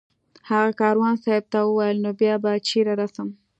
هغه کاروان صاحب ته وویل نو بیا به چېرې رسم